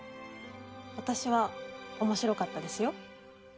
私は面白かったですよ。